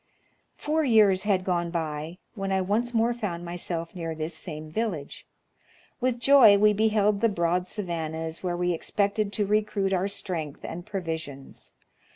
" Four years had gone by, when I once more found myself near this same village. With joy we beheld the broad savannas, where we expected to recruit our strength and provisions.